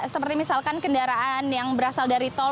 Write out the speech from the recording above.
seperti misalkan kendaraan yang berasal dari tol